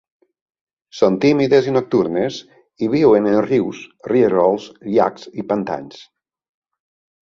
Són tímides i nocturnes, i viuen en rius, rierols, llacs i pantans.